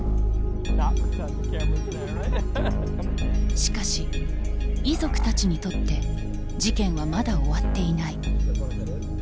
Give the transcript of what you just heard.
しかし遺族たちにとって事件はまだ終わっていない。